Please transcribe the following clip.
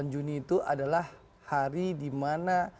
dua puluh delapan juni itu adalah hari dimana